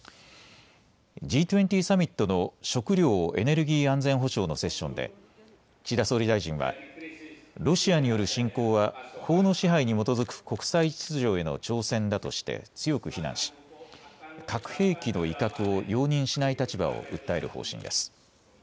Ｇ２０サミットの食料・エネルギー安全保障のセッションで岸田総理大臣はロシアによる侵攻は法の支配に基づく国際秩序への挑戦だとして強く非難し核兵器の威嚇を容認しない立場を訴える方針です。